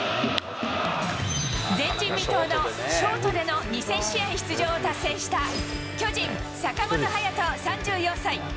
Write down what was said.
前人未到のショートでの２０００試合出場を達成した巨人、坂本勇人３４歳。